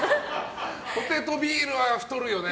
ポテト、ビールは太るよね！